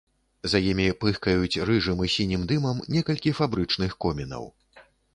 За імі пыхкаюць рыжым і сінім дымам некалькі фабрычных комінаў.